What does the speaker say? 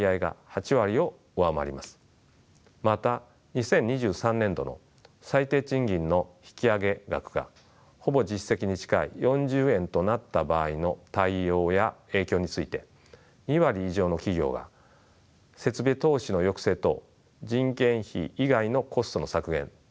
また２０２３年度の最低賃金の引き上げ額がほぼ実績に近い「４０円」となった場合の対応や影響について２割以上の企業が「設備投資の抑制等人件費以外のコストの削減」と答えていました。